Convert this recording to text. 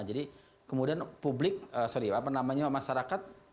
jadi kemudian publik sorry apa namanya masyarakat